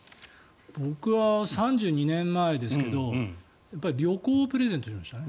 僕は３２年前ですけど旅行をプレゼントしましたね。